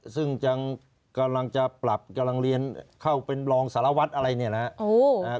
ซึ่งกำลังจะปรับกำลังเรียนเข้าเป็นรองสารวัตรอะไรเนี่ยนะครับ